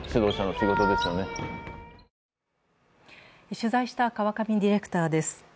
取材した川上ディレクターです。